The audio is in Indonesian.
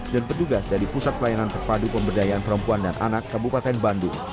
dan pusat pelayanan terpadu pemberdayaan perempuan dan anak kabupaten bandung